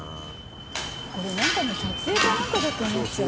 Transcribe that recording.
これなんかの撮影かなんかだと思っちゃう。